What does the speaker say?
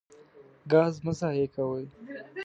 ګاز مه ضایع کوئ.